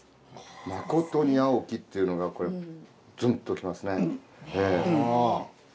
「まことに青き」っていうのがこれズンと来ますね。